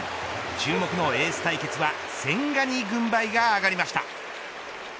注目のエース対決は千賀に軍配が上がりました。